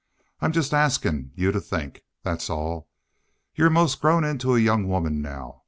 "I'm jest askin' you to think. Thet's all. You're 'most grown into a young woman now.